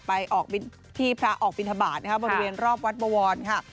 ไปพี่พระออกบิณฑบาตบริเวณรอบวัดบวรค่ะ